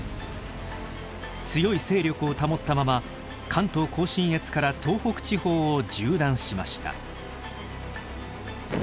強い勢力を保ったまま関東甲信越から東北地方を縦断しました。